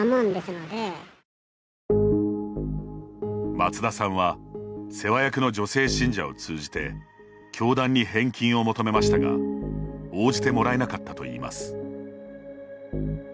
松田さんは世話役の女性信者を通じて教団に返金を求めましたが応じてもらえなかったといいます。